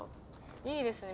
いいですね